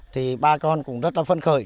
thì ba con cũng rất là phân khởi